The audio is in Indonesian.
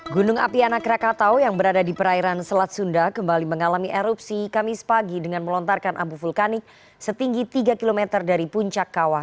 gunung api anak rakatau yang berada di perairan selat sunda kembali mengalami erupsi kamis pagi dengan melontarkan abu vulkanik setinggi tiga km dari puncak kawah